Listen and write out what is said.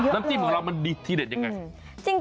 น้ำจิ้มของเรามันดีที่เด็ดยังไง